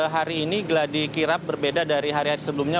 hari ini geladi kirap berbeda dari hari hari sebelumnya